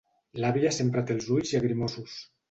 L'àvia sempre té els ulls llagrimosos.